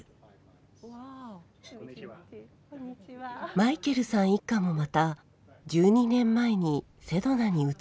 マイケルさん一家もまた１２年前にセドナに移り住んだ。